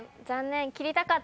切りたかったです。